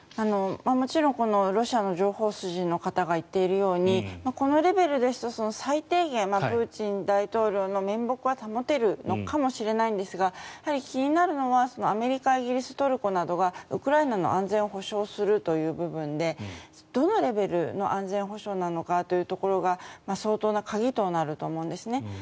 もちろんこのロシアの情報筋の方が言っているようにこのレベルですと最低限、プーチン大統領の面目は保てるのかもしれませんがやはり気になるのはアメリカイギリス、トルコなどがウクライナの安全を保障するという部分でどのレベルの安全保障なのかというところが相当な鍵となると思うんです。